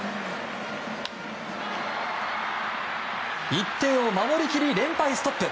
１点を守り切り、連敗ストップ。